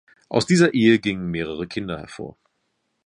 Aus dieser Ehe gingen mehrere Kinder hervor.